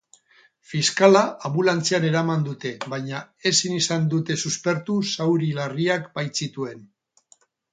Fiskala anbulantzian eraman dute, baina ezin izan dute suspertu zauri larriak baitzituen.